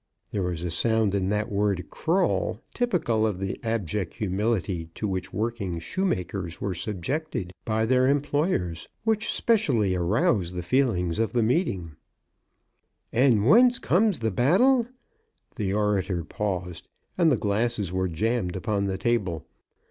There was a sound in that word "crawl" typical of the abject humility to which working shoemakers were subjected by their employers, which specially aroused the feelings of the meeting. "And whence comes the battle?" The orator paused, and the glasses were jammed upon the table.